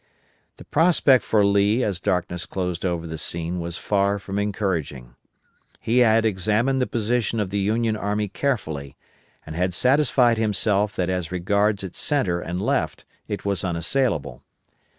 The prospect for Lee as darkness closed over the scene was far from encouraging. He had examined the position of the Union army carefully, and had satisfied himself that as regards its centre and left it was unassailable.